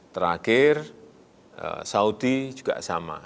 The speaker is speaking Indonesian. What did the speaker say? terakhir saudi juga sama